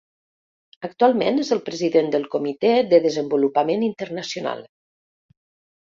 Actualment és el president del Comitè de Desenvolupament Internacional.